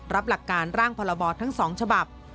รับหลักการร่างพรบทั้ง๒ฉบับ